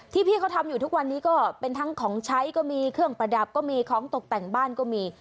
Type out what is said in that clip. พี่เขาทำอยู่ทุกวันนี้ก็เป็นทั้งของใช้ก็มีเครื่องประดับก็มีของตกแต่งบ้านก็มี